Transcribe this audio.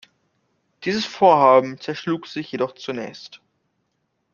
Dieses Vorhaben zerschlug sich jedoch zunächst.